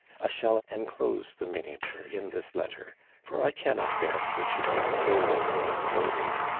I shall enclose the miniature in this letter, for I cannot bear that it should be stolen or sold.